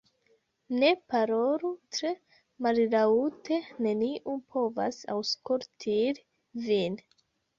Ne parolu tre mallaŭte, neniu povas aŭskutil vin